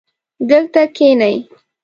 دلته کښېنئ